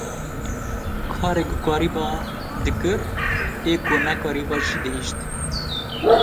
Karê ku kariba dikir ê ku nekariba jî dihişt.